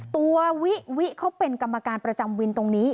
ตัววิวิเขาเป็นกรรมการประจำวินตรงนี้